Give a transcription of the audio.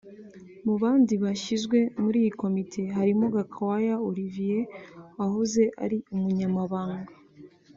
Mu bandi bashyizwe muri iyi komite harimo Gakwaya Olivier wahoze ari Umunyamabanga